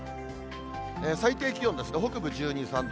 最低気温ですが、北部１２、３度。